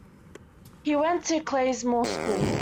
He went to Clayesmore School.